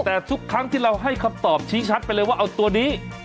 แต่ทุกครั้งที่เราให้คำตอบชี้ชัดไปเลยว่าเอาตัวนี้